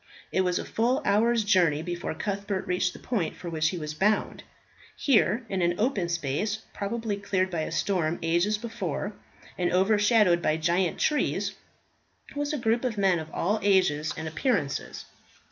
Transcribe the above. It was a full hour's journey before Cuthbert reached the point for which he was bound. Here, in an open space, probably cleared by a storm ages before, and overshadowed by giant trees, was a group of men of all ages and appearances.